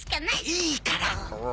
いいから！